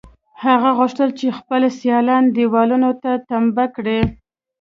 هغه غوښتل چې خپل سیالان دېوالونو ته تمبه کړي